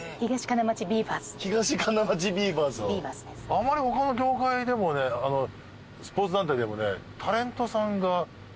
あまり他の協会でもねスポーツ団体でもね。